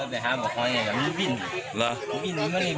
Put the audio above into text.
แต่หามาหอยแต่วิ่ง